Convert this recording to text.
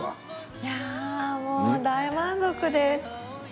いやもう大満足です。